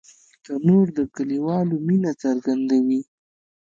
تنور د کلیوالو مینه څرګندوي